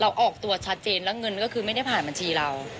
ออกตัวชัดเจนแล้วเงินก็คือไม่ได้ผ่านบัญชีเรา